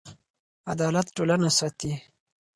عدالت ټولنه ساتي.